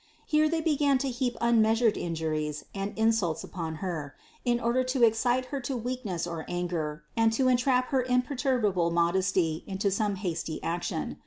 Here they began to heap unmeasured injuries and insults upon Her, in order to excite Her to weakness or anger and to entrap Her imperturbable modesty into some hasty action.